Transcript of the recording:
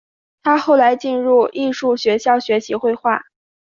他后来进入艺术学校学习绘画。